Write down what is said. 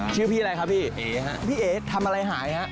ชื่อพี่อะไรครับพี่พี่เอ๊ทำอะไรหายครับ